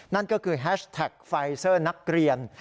นั่นก็คือแฮชแท็กไฟเซอร์นักเรียน